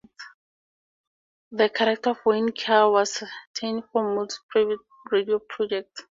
The character of Wayne Carr was retained from Morris's previous radio projects.